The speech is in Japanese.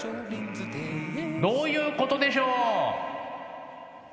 どういうことでしょう？